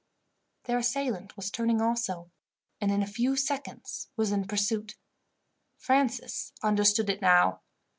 Their assailant was turning also, and in a few seconds was in pursuit. Francis understood it now.